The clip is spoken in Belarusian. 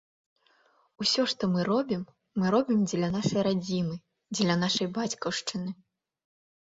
Усё, што мы робім, мы робім дзеля нашай радзімы, дзеля нашай бацькаўшчыны.